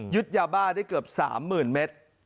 ยาบ้าได้เกือบ๓๐๐๐เมตร